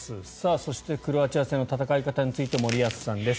そして、クロアチア戦の戦い方について森保さんです。